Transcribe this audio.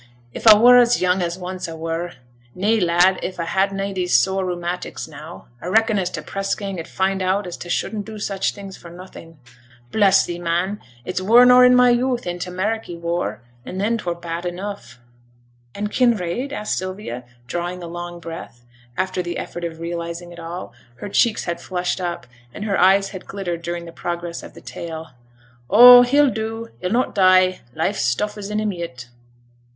'If a were as young as once a were nay, lad, if a had na these sore rheumatics, now a reckon as t' press gang 'ud find out as t' shouldn't do such things for nothing. Bless thee, man! it's waur nor i' my youth i' th' Ameriky war, and then 't were bad enough.' 'And Kinraid?' said Sylvia, drawing a long breath, after the effort of realizing it all; her cheeks had flushed up, and her eyes had glittered during the progress of the tale. 'Oh! he'll do. He'll not die. Life's stuff is in him yet.'